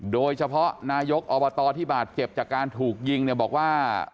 โดยเฉพาะนายกอบตที่บาดเจ็บจากการถูกยิงเนี่ยบอกว่า